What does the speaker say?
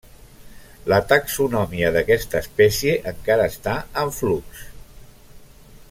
La taxonomia d'aquesta espècie encara està en flux.